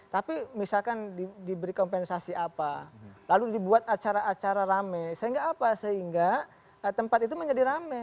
tapi misalkan diberi kompensasi apa lalu dibuat acara acara rame sehingga apa sehingga tempat itu menjadi rame